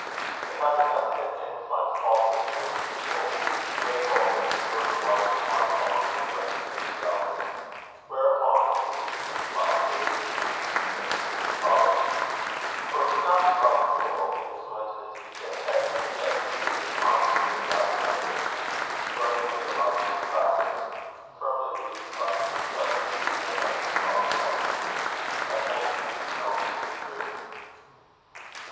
But having nothing at hand to find fault with more suitable, he laid hold of the first wise remark volunteered by good Mrs. Elton; whereupon an amusing pas de deux immediately followed; for it could not be called a duel, inasmuch as each antagonist kept skipping harmlessly about the other, exploding theological crackers, firmly believed by the discharger to be no less than bomb shells. At length Mrs. Elton withdrew.